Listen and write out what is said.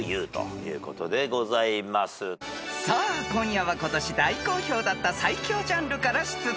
［さあ今夜は今年大好評だった最強ジャンルから出題］